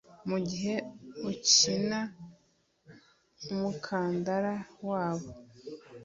Mugihe ukina umukandara wabo